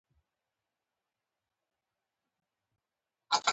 نجلۍ د موټرسايکل په ټاير تړل شوې وه.